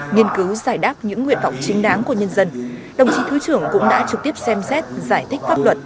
nghiên cứu giải đáp những nguyện vọng chính đáng của nhân dân đồng chí thứ trưởng cũng đã trực tiếp xem xét giải thích pháp luật